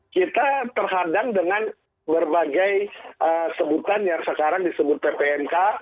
kita terhadang dengan berbagai sebutan yang sekarang disebut ppnk